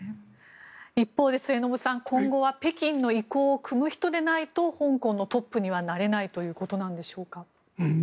一方で末延さん今後は北京の意向をくむ人でないと香港のトップにはなれないということなんでしょうか。